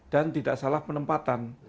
dan tidak salah penempatan